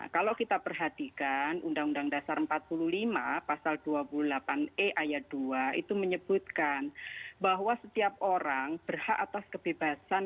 kalau kita perhatikan undang undang dasar empat puluh lima pasal dua puluh delapan e ayat dua itu menyebutkan bahwa setiap orang berhak atas kebebasan